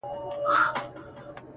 بس کیسې دي د پنځه زره کلونو,